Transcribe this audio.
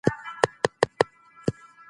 که مسلمان ذمي ووژني نو قصاص کېږي.